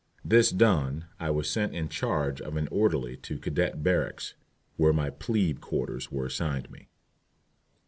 This done I was sent in charge of an orderly to cadet barracks, where my "plebe quarters" were assigned me.